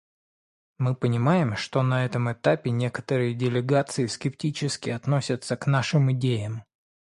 Мы понимаем, что на этом этапе некоторые делегации скептически относятся к нашим идеям.